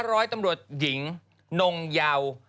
ร้อยตำรวจหญิงนงเยา